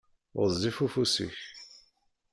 Γezzif ufus-ik!